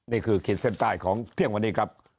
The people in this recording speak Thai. นี่คือเขตเส้นใต้ของเที่ยงวันนี้ครับ